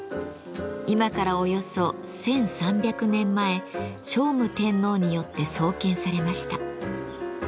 今からおよそ１，３００年前聖武天皇によって創建されました。